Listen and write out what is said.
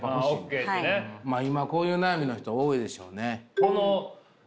まあ今こういう悩みの人多いでしょうね。